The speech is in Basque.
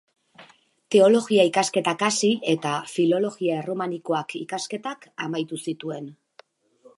Teologia ikasketak hasi eta Filologia Erromanikoak ikasketak amaitu zituen.